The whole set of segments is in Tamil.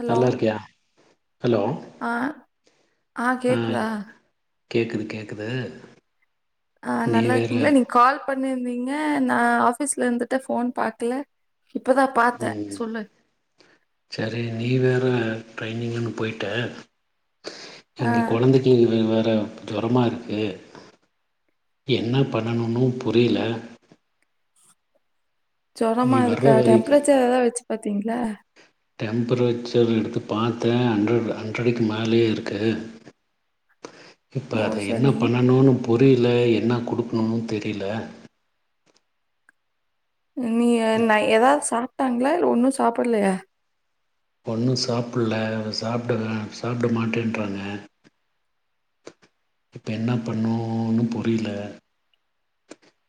ஹலோ நல்லா இருக்கியா ஹலோ ஆ ஆ கேக்குதா கேக்குது கேக்குது ஆ நீ நல்லா வேற இருக்கீங்ளா நீங் கால் பண்ணிருந்தீ ங்க நா ஆஃபீஸ்ல இந்துட்டு ஃபோன் பாக்கல ம் சரி நீ வேற ட்ரெய்னிங்குன்னு போயிட்ட ஆ இங்க கொழந்தக்கி இவ வ ற ஜொரமா இருக்கு என்ன பண்ணணுன்னு புரியில ஜொரமா இருக்கா வரைக்கு டெம்பரேச்சர் எதா வச்சு பாத்தீங்ளா? டெம்ப்ரேச்சர் எடுத்து பாத்தே ஹண்ட்ரட் ஹண்ட்ரடுக்கு மேலயே இருக்கு இப்ப ஓ அத என்ன சரி பண்ணணுனு புரியில எ ன்ன குடுக்கணுன் தெரில நீ அன்ன எதாது சாப்ட்டாங் ளா இல்ல ஒன்னு சாப்புட்லயா ஒன்னு சாப்புல்ல சாப்டல சாப்ட மாட்டேன்றாங்க இப்ப என்ன பண்ணு ஒன்னு புரியில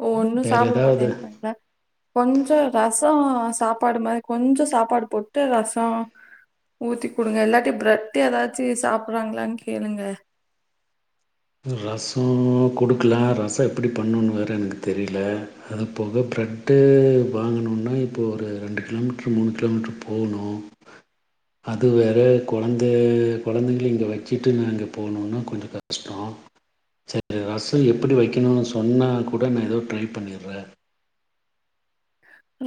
ஓ ஒன்னு சாப்புட மாட்டேன்றாங்ளா கொஞ்ச ரசோ சாப்பாடு மாரி கொஞ்ச சாப்பாடு போட்டு ரச ஊத்தி குடுங்க இல்லாட்டி பிரெட் எதாச்சு சாப்புர்றாங்ளான் கேளுங்க ரசோ குடுக்கலா ரசொ எப்டி பண்ணணு வேற எனக்கு தெரில அது போக பிரெட்டு வாங்கணுன்னா இப்ப ஒரு ரெண்டு கிலோமீட்ரு மூணு கிலோமீட்ரு போணு அது வேற கொழந்த கொழந்தைங்க இங்க வச்சுட்டு நா அங்க போணுன்னா கொஞ்ச கஷ் டொ செரி ரச எப்பிடி வைக்கணுனு சொன்னா கூட நா எதோ ட்ரை பண்ணிர்வே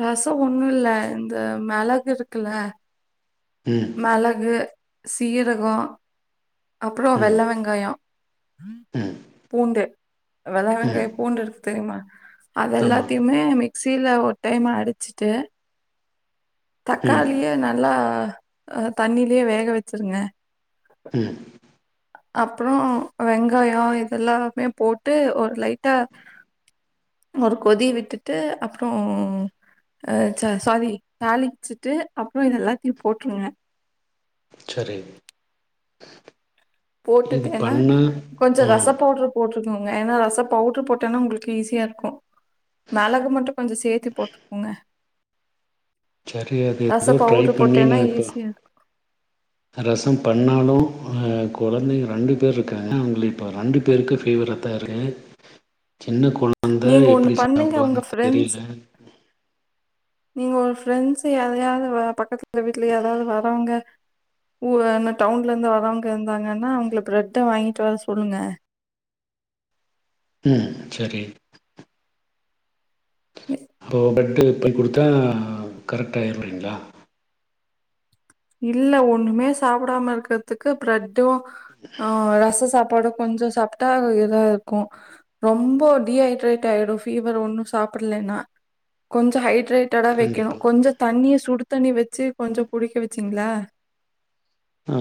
ரசொ ஒன்னுல்ல இந்த மெளகு இருக்குல்ல ம் மெளகு சீர கொ அப்றொ ம் வெள்ள வெங்காயொ ம் பூண்டு வெள்ள ம் வெங்காய பூண்டுருக்கு தெரியிமா அது ஆமாம் எல்லாத்தைமே மி க்ஸில ஒரு டைம் அடுச்சுட்டு ம் தக்காளிய நல்லா ஆ தண்ணிலியே வேக வச்சுருங்க ம் அப்றொ வெங்காயொ இத எல்லாமுமே போட்டு ஒரு லைட்டா ஒரு கொதி விட்டுட்டு அப்றோ அ ச சாரி தாளிச்சிட்டு அப்றொ இத எல்லாத்தையு போட்ருங்க செரி போட்டுட்டேன்னா கொஞ்சொ ரச ம் பவுட்ரு போட் டுக்கோங்க ஏனா ரச பவுட்ரு போட்டனா உங்ளுக்கே ஈஸியாருக்கு மெளகு மட்டு கொஞ்ச சேத்து போட்டுகோங்க செரி அது எதோ ட்ரை பவுட்ரு பண்ணி நா போட்டேன்னா இப்ப ஈஸியா இருக்கு ரசம் பண்ணாலு அ கொழந்தைங்க ரெண்டு பேர் இருக்காங்க அவுங்கள இப்ப ரெண்டு பேருக்கு பீவராதா இருக்கு சின்ன கொழந்த நீங்க ஒண்ணு எப்புடி பண்ணுங்க உங்க சாப்புடுவாங்கன் ஃப்ரெண்ட்ஸ் தெரில நீங்க ஒரு ஃப்ரண்ட்ஸு யாரயாது வ பக்கத் து வீட்ல யாராது வரவ்ங்க ஊ அன்ன டவுன்லந்து வரவ்ங்க இருந்தாங்கன்னா அவுங்கள பிரெட்ட வாங்கிட்டு வர சொல்லுங்க ம் செரி ஓ ப்ரெ ட்டு இப்பை குடுத்தா கரெக்டாயிருவாய்ங்களா இல்ல ஒண்ணுமே சாப்புடாம இருக்கத்துக்கு பிரெட் டோ அ ரச சாப்பாடொ கொஞ்ச சாப்ட்டா இதா இருக்கு ரொம்ப டிஹைட்ரேட் ஆயிடு ஃபீவர் ஒன்னு சாப்புட்லென்னா கொஞ்ச ஹை ட்ரேட்டடா வக்கெணு கண்டிப்பாக கொஞ்ச தண்ணிய சுடு தண்ணி வச்சு கொஞ்சொ குடிக்க வ ச்சிங்ளா ஆ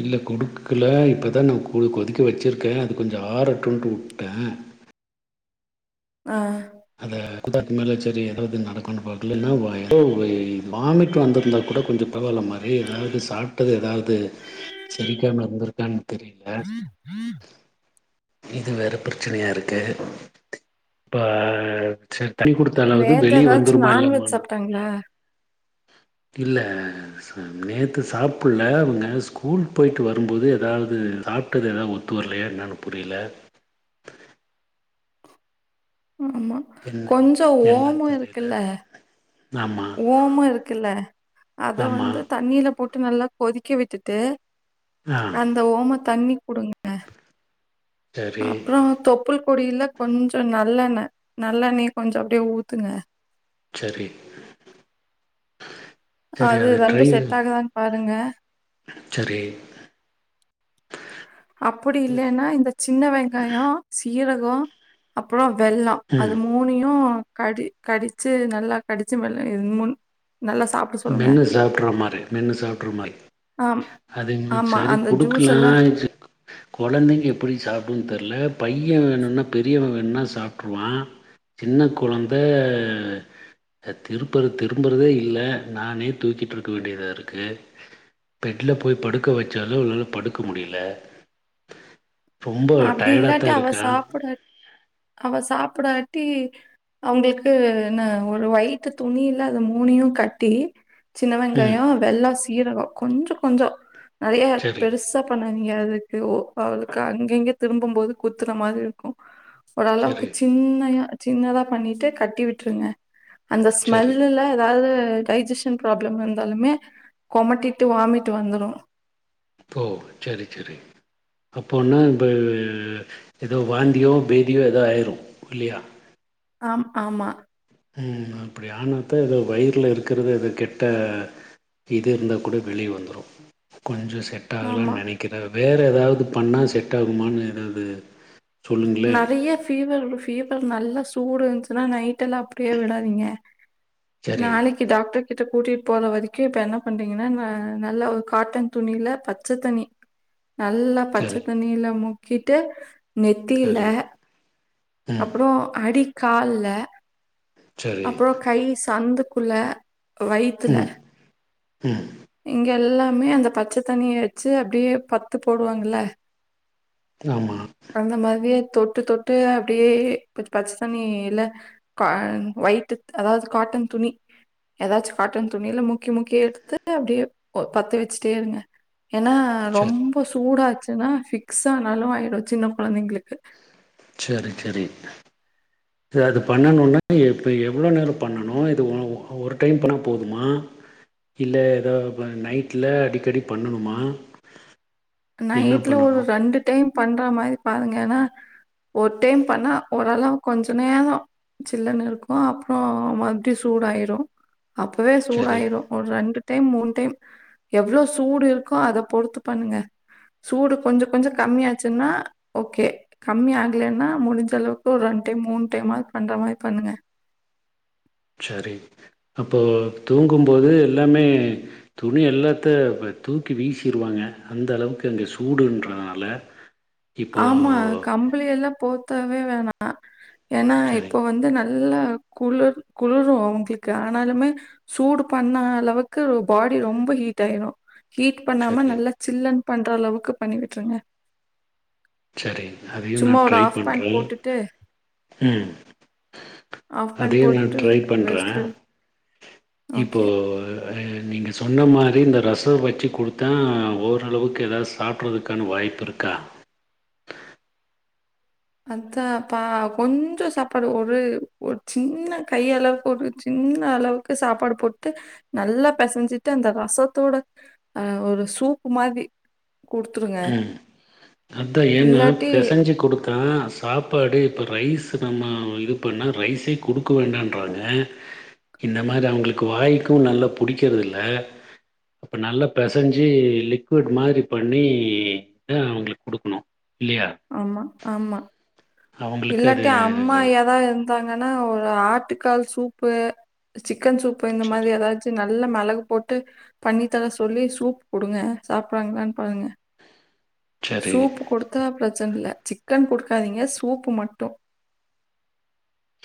இல்ல குடுக்கல இப்பதா நா கொல் கொதிக்க வச்சிருக்கே அது கொஞ்ச ஆறட்டுன்ட்டு வுட்டே ஆ அத [unintelligible] மேல சேரி எதாவ்து நடக்குன்னு பாக்லென்னா [unintelligible] வாமிட் வந்துருந்தா கூட கொஞ்ச பரவால்ல மாரி எதாவ்து சாப்ட்டது எதாவது செரிக்காம இருந்திருக்கான் தெரில இது வேற பிரச்சனயா இருக்கு இப்ப அ செ தண்ணி குடுத்தாலாவது நேத்து வெளிய ஏதாச்சும் வந்துருமா நான்வெஜ் இல்லமானா சாப்ட்டாங்களா? இல்ல [unintelligible] நேத்து சாப்புல்ல அவுங்க ஸ்கூல் போயிட்டு வரும்போது எதாவது சாப்ட்டது எதா ஒத்து வர்லையா என்னனு புரியில ஆமா என்ன கொஞ்ச என்னன்னு ஓமொ தெரியல இருக்குல்ல ஆமா ஓமொ இருக்குல்ல அத ஆமா வந்து தண்ணில போட் டு நல்லா கொதிக்க விட்டுட்டு ஆ அந்த ஓம தண்ணி குடுங்கங்க சரி அப்றொ தொப்புள் கொடில்ல கொஞ்சொ நல்லெண்ண நல்லெண்ணய கொஞ்ச அப்டியே ஊத்துங்க செரி அது வந்து செட் ஆகுதான் பாருங்க சரி அப்புடி இல்லென்னா இந்த சின்ன வெங்காயொ சீ ரகொ அப்றொ வெல்லொ அது ம் மூணையு கடி கடிச்சு நல்லா கடிச்சு மெல்ல [inaudible] முன் மென்னு சாப்பிடுற மாரி மென்னு சாப்பிடுற மாரி ஆம் அது ஆமா சேரி அந்த ஜூஸ் குடுக்கலா எல்லாம் [unintelligible] கொழந்திங்க எப்டி சாப்பிடன்னனு தெரில பையன் வேணும்னா பெரியவன் வேணும்னா சாப்ட்ருவா சின்ன கொழந்த திருப்பற திரும்புறதே இல்ல நானே தூக்கிட்டு இருக்க வேண்டியதாக இருக்கு பெட்ல போய் படுக்க வச்சாலு அவளால படுக்க முடியல ரொம்ப அப்டி டயர்டா தா இல்லாட்டி அவ இருக்கா சாப்டாட் அவ சாப் படடி அவங்களுக்கு ந ஒரு ஒயிட்டு துணி இல்ல அது மூணையு கட்டி சின்ன ம் வெங்காயம் வெள்ளாசி சீரகோ கொஞ்சோ கொஞ்சோ நெறைய சரி பெருசா பண்ண [unintelligible] ஓ ஆளுக்கு அங் எங்க திரும்பும் போது குத்துற மாதிரி இருக்கு ஓரளவுக்கு சரி சின்னையா சின்னதா பண்ணிட்டு கட்டி விட்டுருங்க அந்த சரி ஸ்மெல்லல்ல ஏதாவது அ டைஜஷன் ப்ராப்ளம் இருந்தாலுமே குமட்டிட்டு வாமிட் வந்துரு ஓ சேரி சேரி அப்போனா இப்ப ஏதோ வாந்தியோ பேதியோ ஏதோ ஆயிரும் இல்லயா ஆம் ஆமா ம் அப்படி ஆனா தான் இதோ வயிறுல இருக்கிறது அது கெட்ட இது இருந்தா கூட வெளியே வந்துரு கொஞ்ச செட் ஆகலா ஆமா நெனைக்கிறா வேறு ஏதாவது பண்ணா செட் ஆகுமான்னு ஏதாவது சொல்லுங்களே நெறைய ஃபீவரு ஃபீவர் நல்ல சூடு இருந்ச்சுன்னா நைட் எல்லா அப்படியே விடாதீங்க சரி நாளைக்கி டாக்டர் கிட்ட கூட்டிட் போற வரக்கி இப்ப என்ன பண்ரிங்கன்னா நா நல்லா ஒரு காட்டன் துணியில பச்ச தண்ணி நல்லா பச்ச சரி தண்ணில்லா முக் கிட்டு நெத்தில சரி ம் அப்புறோ அடிக்கால் இல்ல சரி அப்றோ கை சந்து குள்ள வயித்துல ம் ம் எங்க இங்க எல்லாமே அந்த பச்ச தண்ணிய வச்சு அப்படியே பத்து போடுவாங்கள ஆமா தொட்டு தொட்டு அப்டியே பச் பச்ச தண்ணியில ஒயிட் அதாவது காட்டன் துணி ஏதாச்சு காட்டன் துணில முக்கி முக்கி எடுத்து அப்டியே பொ பத்து வச்சுட்டே இருங்க ஏன்னா சரி ரொம்ப சூடாச்சு ன்னா பிஃக்ஸ் ஆனாலு ஆயிடு சின்ன கொழந்தைங்களுக்கு சரி சரி சரி அது பண்ணண இப்போ எவ்வளோ நேரோ பண்ணணு இது ஒரு ஒரு டைம் பண்ணா போதுமா இல்ல ஏதாவது நைட்ல அடிக்கடி பண்ணணுமா என்ன நைட்ல ஒரு பண்ணணு ரெண்டு டைம் பண்ற மாரி பாருங்க ஏன்னா ஒரு டைம் பண்ணா ஓரளவுக் கொஞ்ச நேரோ சில்லுன்னு இருக்கு அப்புறொ மறுபடியு சூடாயிரு அப்பவே சரி சூடாயிரு ஒரு ரெண்டு டைம் மூணு டைம் எவ்ளோ சூடு இருக்கோ அத பொறுத்து பண்ணுங்க சூடு கொஞ்சொ கொஞ்சொ கம்மியாச்சுன்னா ஓகே கம்மி ஆகலன்னா முடிஞ்ச அளவுக்கு ஒரு ரெண்டு டைம் மூணு டைமாவது பண்ற மாரி பண்ணுங்க சரி அப்போ தூங்கும்போது எல்லாமே துணி எல்லாத்த தூக்கி வீசிருவாங்க அந்த அளவுக்கு அங்க சூடுன்றதுனால இப்போ ஆமா கம்பளி எல்லா போத் த்தவே வேணா ஏன்னா சரிங்க, இப்ப வந்து நல்ல ல்லா குளிர் குளிரு அவங்களுக்கு ஆனாலுமே சூடு பண்ண அளவுக்கு பாடி ரொம்ப ஹீட் ஆயிரு ஹீட் பண்ணாம சரி, நல்லா சில்லுன் பண்ற அளவுக்கு பண்ணி விட்ருங்க சரி அதையு நா ட்ரை பண்றே போட்டுட்டு, ம் ஹாஃப் பேண்ட் அதையு நா போட்டுட்டு, ட்ரை பண்ற வேஷ்டில இப்போ ஓகே. அ நீங்க சொன்ன மாரி இந்த ரசோ வச்சு குடுத்த ஓரளவுக்கு ஏதாவது சாப்ட்றதுக்கான வாய்ப்பு இருக்கா [inaudible] அத்தாப்பா கொஞ்சொ சாப்பாடு ஒரு ஒரு சின்ன கையளவுக்கு ஒரு சின்ன அளவுக்கு சாப்பாடு போட்டு நல்லா பெசஞ்சிட்டு அந்த ரசத்தோட அ ஒரு சூப்பு மாரி ம் அத்தா ஏன்னா இல்லாட்டி பெசஞ்சு குடுத் தா சாப்பாடு இப்ப ரைஸ் நம்ம இது பண்ணா ரைஸே குடுக்க வேண்டான்றாங்க இந்த மாரி அவங்களுக்கு வாய்க்கு நல்லா புடிக்கறதுல்ல அப்ப நல்லா பெசஞ்சு லிக்விட் மாதிரி பண்ணி ணி தா அவங்களுக்கு குடுக்கணு இல்லையா ஆமா ஆமா அவங்களுக்கு அது இல்லாட்டி அம்மா ஏதா இருந் ந்தாங்கன்னா ஒரு ஆட்டுக்கால் சூப்பு சிக் க்கன் சூப்பு இந்த சரி மாதிரி ஏதாச்சு நல் நல்லா மெளகு போட்டு பண்ணி தர சொல்லி சூப் குடுங்க சாப்றாங்களான்னு பாருங்க சரி சூப் கொடுத்தா பிரச் சன்ல்ல சிக்கன் குடுக்காதீங்க சூப்பு மட்டு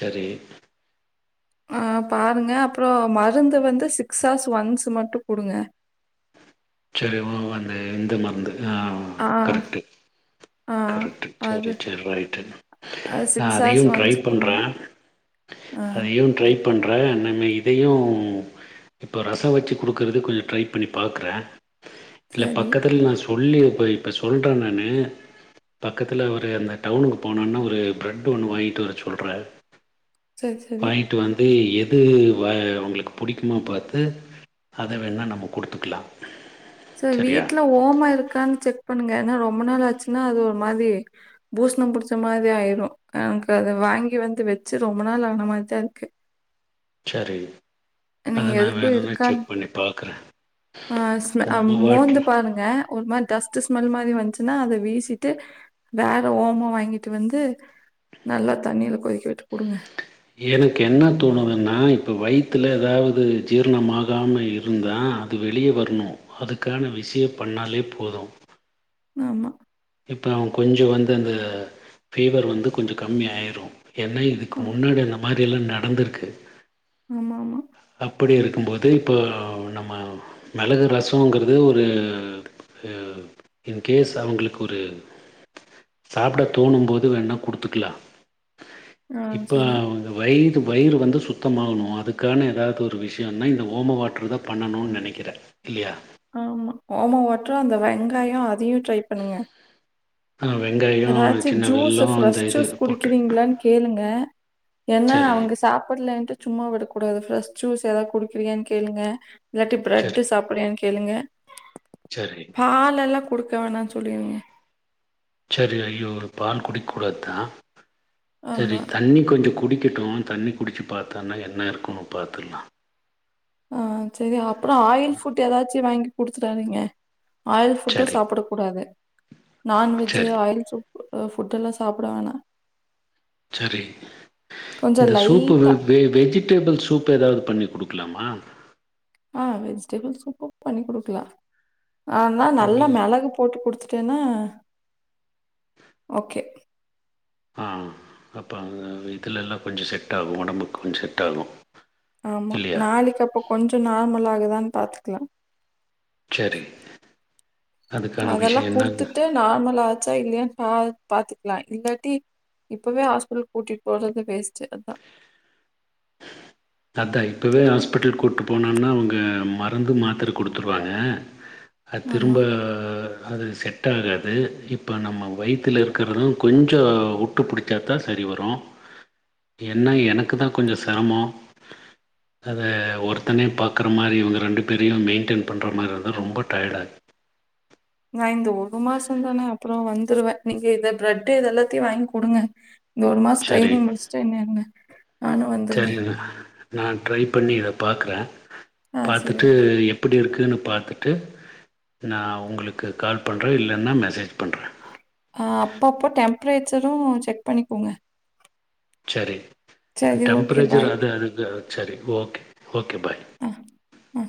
சரி ஆப் பாருங்க அப்றொ மரு மருந்து வந்து சிக்ஸ் ஆர்ஸ் ஒன்ஸ் மட்டு குடுங்க சரி வோ அந்த இந்த மருந்து ஆ ஆ, கரெக்ட்டு ஆ. கரெக்ட் சேரி அது சேரி ரைட்டு அது நா ஹார்ஸ் அதையும் ட்ரை ஒன்ஸ் குடுங்க. பண்றே ஆ அதையும் ட்ரை ப பண்ணுறே நம்ம இதையு இப்போ ரசம் வச்சு கொடுக்கறது கொஞ்ச ட்ரை பண்ணி பார்க்கற இல்ல சரி, பக்கத்தில நா சொல்லி இப்ப இப்ப சொல்ற நானு பக்கத்து ஒரு அந்த டவுனுக்கு போனான்னா ஒரு ப்ரெட் ஒன்னு வாங்கிட்டு வரச்சொல்ற சரி சரி து எது வ அவங்களுக்கு புடிக்குமா பாத்து அத வேணா நம்ம கொடுத்துக்கலா சார் வீட்டுல ஓமா இருக்கான்னு செக் பண்ணுங்க ஏன்னா ரொ ரொம்ப நாளாச்சுன்னா அது ஒரு மாதிரி பூஸ்ணம் புடிச்ச மாதிரி ஆயிரும் எனக்கு அத வாங்கி வந்து வச்சு ரொம்ப நாள் ஆன மாதிரிதா இருக்கு ச்சரி நீங்க எதுக்கு இருக்கா பார்க்குறேன் அ ஸ் ஓம மோந்து வாட்ரு பாருங்க ஒரு மாரி டஸ்ட் ஸ்மெல் மாரி வந்துச்சுன்னா அத வீசிட்டு வேற ஓம வாங்கிட்டு வந்து நல்லா தண்ணில கொதி எனக்கு என்ன தோணுதுன்னா ப்ப வயித்துல ஏதாவது ஜீர்ணமாகாம இருந்தா அது வெளியே வரணு அதுக்கான விஷய பண்ணாலே போது ஆமா ப்ப அவங் கொஞ்ச வந்து அந்த ஃபீவர் வந்து கொஞ்ச கம்மியாயிரு ஏன்னா இதுக்கு ஆ முன்னாடி அந்த மாரில்லா நடந்திருக்கு து ஆமா ஆமா அப்டி இருக்கும்போது இப்போ நம்ம மிளகு ரசொங்கிறது ஒரு இன்கேஸ் அவங்களுக்கு ஒரு சாப்ட தோணும் போது வேணா கொடுத்துக்லா ஆ இப்ப சரி. அவங்க வை வயிறு வந்து சுத்தமாகனு அதுக்கான ஏதாவது ஒரு விஷயனா இந்த ஓம வாட்டர் தா பண்ணணுனு நினைக்கிறே இல்லையா ஆமா ஓம வட்டர் அந்த வெங்காய அதையு ட்ரை பண்ணுங்க ஆ வெங்காயோ ஏதாச்சு சின்ன ஜூஸ் வெல்லோ அந்த ஃப்ரெஷ் இது ஜூஸ் போட்டு குடிக்குறீங்கிளான் கேளுங்க என்ன சரி அவங்க சாப்டலேன்ட்டு சும்மா விடக்கூடாது ஃரெஷ் ஜூஸ் ஏதாவதுகுடிக்கிரியான் கேளுங்க இல்லட்டி சரி ப்ரெட் சாப்ரியா கேளுங்க சரி பால் எல்லா கொடுக் க்க வேணாம் சொல்லிருங் சரி ஐயோரு பால் குடிக்க கூடாத்தா சரி ஆமா. தண்ணி கொஞ்ச குடி க்கிட்டும் தண்ணி குடிச்சு பாத்தன்னா என்ன இருக்குன்னு பாத்தர்லா ஆ சரி அப்ற ஆயில் ஃபுட் ஏதாச்சு வாங் குடுத்துட்டானுங்க ஆயில் ஃபுட்டு சரி சாப்பிடக் கூடாது நான்வெஜ்ஜு சரி ஆயில் ஃபுட் ஃபுட் எல்லா சாப்பிட வேணா சரி இந்த சூப்பு லைட்டா வெ வெஜிடேபிள் சூப் ஏதாவது பண்ணி குடுக்லாமா ஆ வெஜிடபிள் சூப்பு பண்ணி் குடுக்கலா ஆனா நல்லா பண்ணி மெளகு போட்டு குடுத் பத்தேன ஓகே ஆ அப்போ இதுலல்லா கொஞ்ச செட் ஆகு உடம்புக்கு கொஞ் செட் ஆகு ஆமா நாளைக்கு அப்ப கொஞ்சம் நார்மலாகுதானு பாத்துக்கலா சரி அதுக்கான அதெல்லா விஷயம் என்னங்க குடுத்துட்டு நார்மலாச்சா இல்லையா பா பாத்துக்கலா இல்லாட்டி இப்பவே ஹாஸ்பிடல் கூட்டிட்டு போறது வேஸ்டு அதா அதா இப்பவே ஹாஸ்பிட்டலு கூட்டுட்டு போனான்னா அவங்க மருந்து மாத்திர குடுத்துருவாங்க அத் ஆமா. திரும்ப அது செட் ஆகாது இப்போ நம்ம வயித்துல இருக்கிறதும் கொஞ்சோ உட்டு பிடிச்சா தா சரி வரு என்னா எனக்கு தா கொஞ்சோ செரமோ அத ஒருத்தனே பாக்குற மாரி இவங்க ரெண்டு பேரையு மெயின்டெயன் பண்ணுற மாரி இருந்தா ரொம்ப டயடாகு நா இந்த ஒரு மாசம் தானே அப்புற வந்துருவே நீங்க இந்த ப்ரெட இத எல்லாத்தையு வாங்கி குடுங்க இந்த ஒரு மாசோ சரி ட்ரைனிங் முடிச்சுட்டு என்ன நானு வந்துருவே சரிங்க நான் ட்ரை பண்ணி இத பாக்குறே பாத்துட்டு எப்டி இருக்குன்னு பார்த்துட்டு நா உங்களுக்கு கால் பண்றே இல்லன்னா மெசேஜ் பண்றே அ அப்பப்போ டெம்பரேச்சரு செக் பண்ணிக்கோங்க சரி சரி ஓகே டெம்பரேச்சர் பாய். அது அதுக்கு சரி ஓகே ஓகே பாய் அ அ